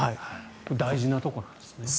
大事なところなんですね。